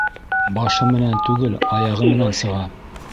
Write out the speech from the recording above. Башы менән түгел, аяғы менән сыға.